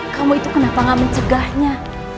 kamu itu kenapa gak mencegahnya